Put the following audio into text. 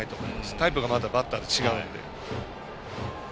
タイプがまたバッターで違うので。